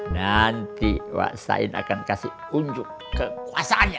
nanti sain akan kasih unjuk kekuasaannya